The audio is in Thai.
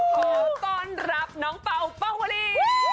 โอ้โหต้อนรับน้องเป่าป้องวลี